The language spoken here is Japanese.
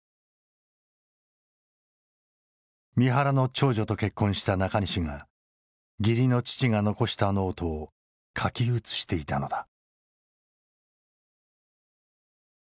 三原の長女と結婚した中西が義理の父が残したノートを書き写していたのだ。